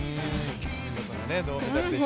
見事な銅メダルでした。